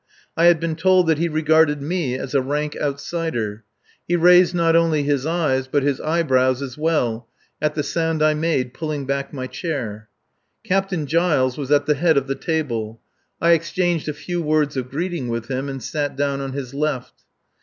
I had been told that he regarded me as a rank outsider. He raised not only his eyes, but his eyebrows as well, at the sound I made pulling back my chair. Captain Giles was at the head of the table. I exchanged a few words of greeting with him and sat down on his left.